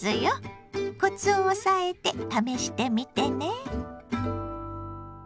コツを押さえて試してみてね！